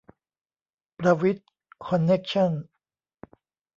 ประวิตร คอนเนคชั่น